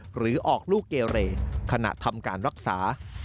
หรือออกลูกเกเรขณะทำการรักษา